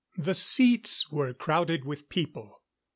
] The seats were crowded with people.